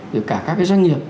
từ cả các cái doanh nghiệp